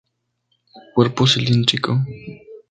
Cuerpo cilíndrico.